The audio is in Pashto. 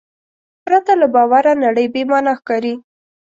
پرته له باور نړۍ بېمانا ښکاري.